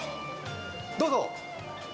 どうぞ！